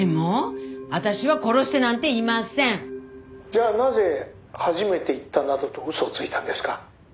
「じゃあなぜ初めて行ったなどと嘘をついたんですか？」